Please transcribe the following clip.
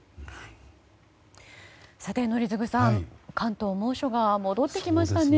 さて、宜嗣さん関東は猛暑が戻ってきましたね。